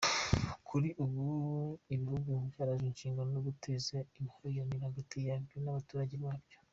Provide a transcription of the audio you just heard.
Kuri ubu ibihugu birajwe inshinga no guteza imihahirane hagati yabyo n’abaturage babyo.